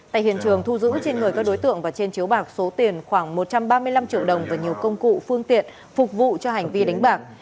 tại hiện trường thu giữ trên người các đối tượng và trên chiếu bạc số tiền khoảng một trăm ba mươi năm triệu đồng và nhiều công cụ phương tiện phục vụ cho hành vi đánh bạc